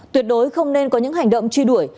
tuyệt đối không nên có những hành động truy đuổi